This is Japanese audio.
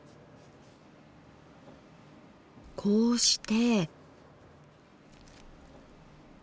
こうして。